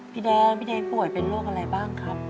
พี่แดงพี่แดงป่วยเป็นโรคอะไรบ้างครับ